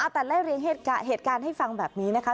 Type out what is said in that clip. แต่ไล่เรียงเหตุการณ์ให้ฟังแบบนี้นะคะ